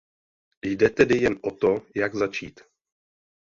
Jde tedy jen o to, jak začít.